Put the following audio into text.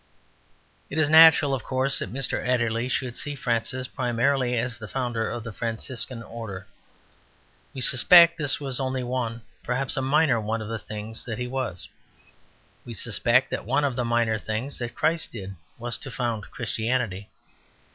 It is natural, of course, that Mr Adderley should see Francis primarily as the founder of the Franciscan Order. We suspect this was only one, perhaps a minor one, of the things that he was; we suspect that one of the minor things that Christ did was to found Christianity.